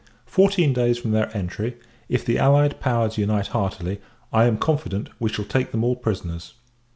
Fourteen days from their entry, if the allied powers unite heartily, I am confident, we shall take them all prisoners.